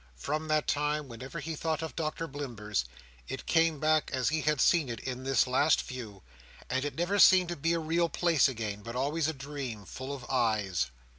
From that time, whenever he thought of Doctor Blimber's, it came back as he had seen it in this last view; and it never seemed to be a real place again, but always a dream, full of eyes.